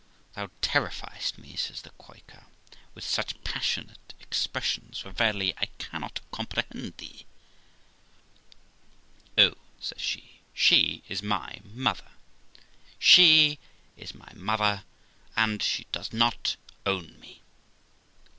' Thou terrifiest me ', says the Quaker, ' with such passionate expressions, for verily I cannot comprehend thee I '' Oh I ', says she, ' she is my mother ! She is my mother ! and she does not own me